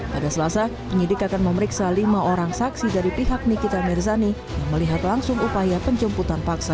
pada selasa penyidik akan memeriksa lima orang saksi dari pihak nikita mirzani yang melihat langsung upaya penjemputan paksa